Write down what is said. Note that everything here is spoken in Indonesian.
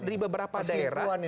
oh di beberapa daerah